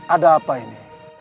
ada apa ini